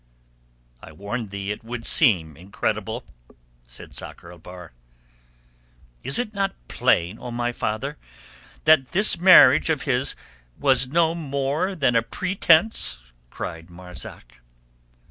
"I warned thee it would seem incredible," said Sakr el Bahr. "Is it not plain, O my father, that this marriage of his was no more than a pretence?" cried Marzak.